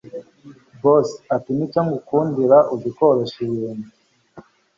Boss atinicyo nkukundira uzi koroshya ibintu